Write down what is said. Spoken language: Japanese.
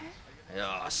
よし。